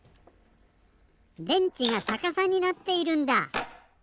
電池がさかさになっているんだ。